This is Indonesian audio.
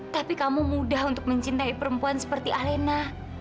tapi kamu mudah untuk mencintai perempuan seperti alena